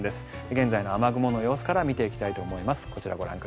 現在の雨雲の様子から見ていきます。